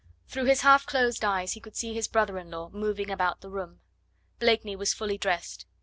Through his half closed eyes he could see his brother in law moving about the room. Blakeney was fully dressed.